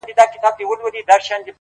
پر دې دنیا سوځم پر هغه دنیا هم سوځمه؛